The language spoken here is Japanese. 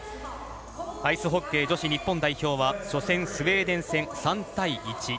アイスホッケー女子日本代表は初戦スウェーデン戦３対１。